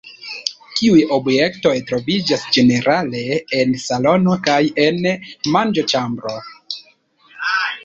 Kiuj objektoj troviĝas ĝenerale en salono kaj en manĝoĉambro?